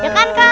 ya kan kak